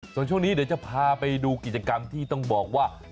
ส่วนช่วงนี้เดี๋ยวจะพาไปดูกิจกรรมที่ต้องบอกว่า